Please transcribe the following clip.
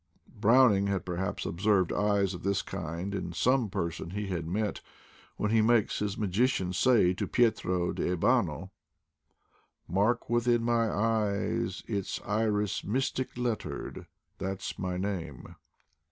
Browning had perhaps observed eyes of this kind in some person he had met, when he makes his magician say to Pietro de Abano, — Mark within 1x17 eyes its iris mystic lettered— That's my name!